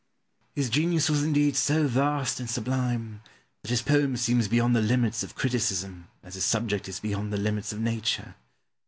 Pope. His genius was indeed so vast and sublime, that his poem seems beyond the limits of criticism, as his subject is beyond the limits of nature.